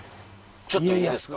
ちょっといいですか？